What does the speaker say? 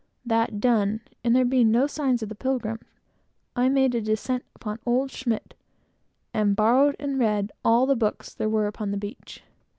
That done, and there being no signs of the Pilgrim, I made a descent upon old Schmidt, and borrowed and read all the books there were upon the beach.